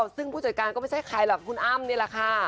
ซึ่งผู้จัดการก็ไม่ใช่ใครหรอกคุณอ้ำนี่แหละค่ะ